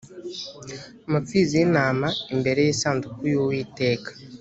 amapfizi y intama imbere y isanduku y uwiteka